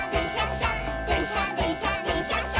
しゃでんしゃでんしゃでんしゃっしゃ」